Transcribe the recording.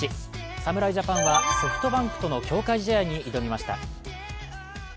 侍ジャパンはソフトバンクとの強化試合に挑みました。